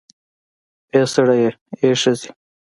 اې سړیه, آ ښځې